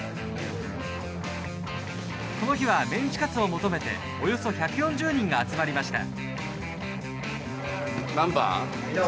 この日は、メンチカツを求めておよそ１４０人が集まりました。